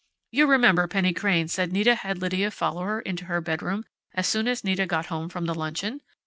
You remember Penny Crain said Nita had Lydia follow her into her bedroom, as soon as Nita got home from the luncheon?...